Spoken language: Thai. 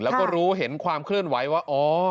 แล้วก็รู้เห็นความเคลื่อนไหวว่า